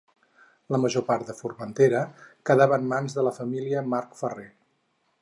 La major part de Formentera quedava en mans de la família de Marc Ferrer.